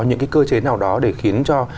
những cái cơ chế nào đó để khiến cho